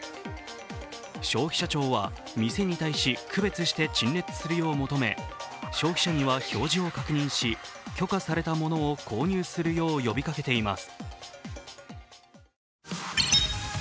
消費者庁は店に対し、区別して陳列するよう求め消費者には表示を確認し許可されたものを購入するよう呼びかけています。